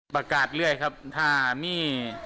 ปรากฏเรื่อยครับถ้าไม่